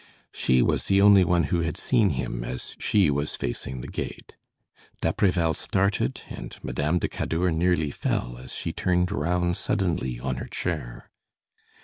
She was the only one who had seen him, as she was facing the gate. D'Apreval started and Madame de Cadour nearly fell as she turned round suddenly on her chair.